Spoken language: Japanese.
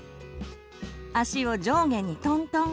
足を上下にトントン。